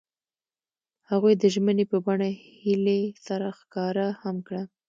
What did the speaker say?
هغوی د ژمنې په بڼه هیلې سره ښکاره هم کړه.